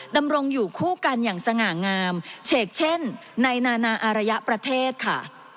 ดำรงอยู่คู่กันอย่างสง่างามเฉกเช่นในนานาอารยประเทศค่ะ